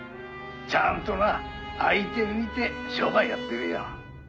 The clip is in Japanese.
「ちゃんとな相手見て商売やってるよ」